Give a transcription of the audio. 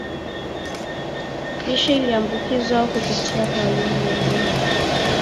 lishe iliyoambukizwa au kupitia kwa wanyama wagonjwa